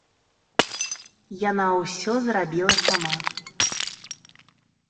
Яна ўсё зрабіла сама.